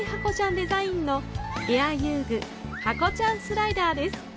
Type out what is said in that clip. デザインのエア遊具、ハコちゃんスライダーです。